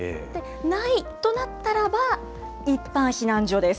ないとなったらば、一般避難所です。